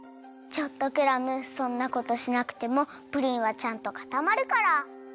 ちょっとクラムそんなことしなくてもプリンはちゃんとかたまるから。